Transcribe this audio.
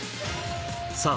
さあ